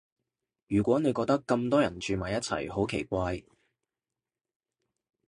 如果你覺得咁多個人住埋一齊好奇怪